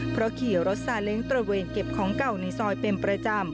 เพราะขี่รถซาเล้งตระเวนเก็บของเก่าในซอยเป็นประจำ